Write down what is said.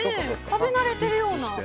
食べ慣れてるような。